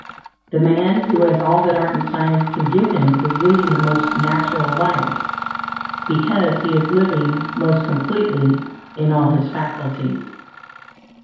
The man who has all that art and science can give him is leading the most natural life, because he is living most completely in all his faculties.